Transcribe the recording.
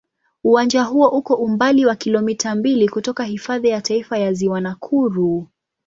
Uwanja huo uko umbali wa kilomita mbili kutoka Hifadhi ya Taifa ya Ziwa Nakuru.